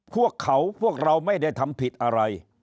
พวกเขาพวกเราไม่ได้ทำผิดอะไร